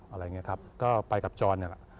อะไรอย่างนี้ครับก็ไปกับจอร์นเนี่ย